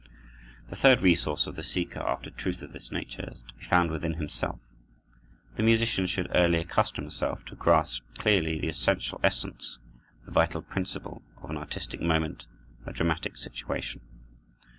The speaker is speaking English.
The third resource of the seeker after truth of this nature is to be found within himself. The musician should early accustom himself to grasp clearly the essential essence, the vital principle, of an artistic moment, a dramatic situation.